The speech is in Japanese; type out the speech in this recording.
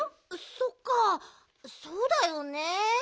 そっかそうだよね。